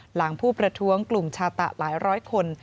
หลังผู้ประท้วงกลุ่มชาตะหลายร้อยคน